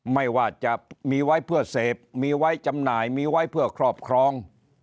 ไม่ว่าจะมีไว้เพื่อเสพมีไว้จำหน่ายมีไว้เพื่อครอบครอง